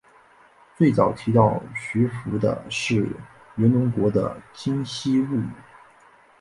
最早提到徐福的是源隆国的今昔物语。